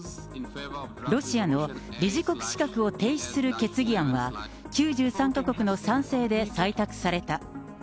ロシアの理事国資格を停止する決議案は、９３か国の賛成で採択された。